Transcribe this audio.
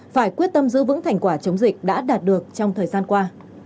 phải quyết tâm giữ vững thành quả chống dịch đã đạt được trong thời gian qua